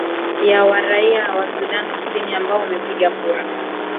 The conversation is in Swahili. ya raia wa sudan kusini ambao wamepiga kura